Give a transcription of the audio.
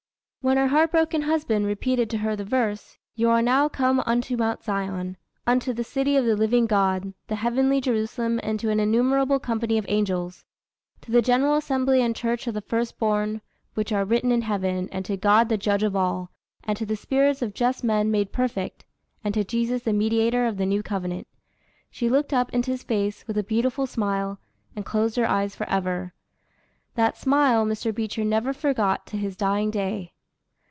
When her heart broken husband repeated to her the verse, "You are now come unto Mount Zion, unto the city of the living God, the heavenly Jerusalem, and to an innumerable company of angels; to the general assembly and church of the first born, which are written in heaven, and to God the Judge of all, and to the spirits of just men made perfect, and to Jesus the Mediator of the New Covenant," she looked up into his face with a beautiful smile, and closed her eyes forever. That smile Mr. Beecher never forgot to his dying day.